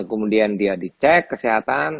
kemudian dia di cek kesehatan